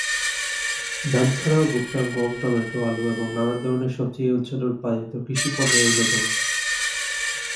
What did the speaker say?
ধান ছাড়াও ভুট্টা, গম, টমেটো, আলু এবং নানান ধরনের সব্জি এ অঞ্চলের উৎপাদিত কৃষি পণ্যের অন্যতম।